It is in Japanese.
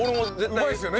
うまいですよね